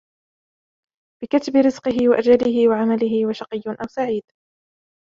بِكَتْبِ رِزْقِهِ وَأَجَلِهِ وَعَمَلِهِ وَشَقِيٌّ أوْ سَعِيدٌ.